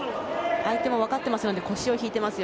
相手もわかっていますので腰を引いていますよ。